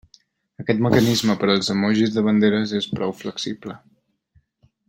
Aquest mecanisme per als emojis de banderes és prou flexible.